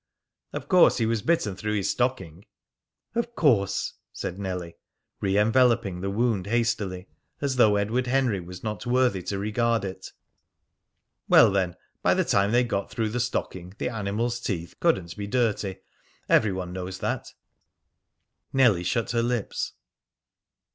"Of course he was bitten through his stocking?" "Of course," said Nellie, re enveloping the wound hastily, as though Edward Henry was not worthy to regard it. "Well, then, by the time they got through the stocking, the animal's teeth couldn't be dirty. Every one knows that." Nellie shut her lips.